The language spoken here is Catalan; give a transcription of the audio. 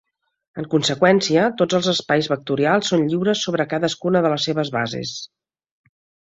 En conseqüència, tots els espais vectorials són lliures sobre cadascuna de les seves bases.